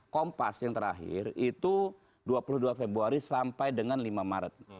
kompas yang terakhir itu dua puluh dua februari sampai dengan lima maret